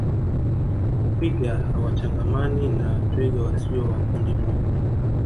Twiga hawachangamani na twiga wasio wa kundi moja